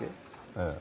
ええ。